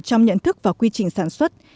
trong nhận thức và quy trình sản xuất